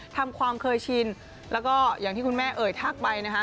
ทำความเคยชินแล้วก็อย่างที่คุณแม่เอ่ยทักไปนะคะ